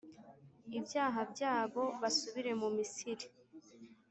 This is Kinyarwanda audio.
ibyaha byabo, basubire mu Misiri.